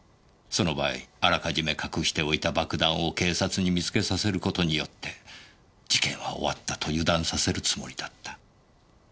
その場合あらかじめ隠しておいた爆弾を警察に見つけさせる事によって事件は終わったと油断させるつもりだった。